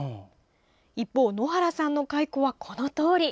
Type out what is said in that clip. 一方、野原さんの蚕はこのとおり。